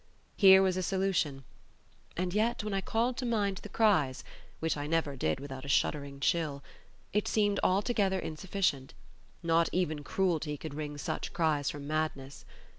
Here was a solution; and yet when I called to mind the cries (which I never did without a shuddering chill) it seemed altogether insufficient: not even cruelty could wring such cries from madness.